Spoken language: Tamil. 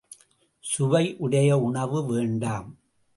சுவையுடைய உணவு வேண்டாம்!